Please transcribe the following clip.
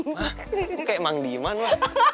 ma kamu kayak emang diiman ma